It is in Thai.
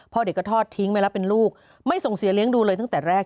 เด็กก็ทอดทิ้งไปแล้วเป็นลูกไม่ส่งเสียเลี้ยงดูเลยตั้งแต่แรก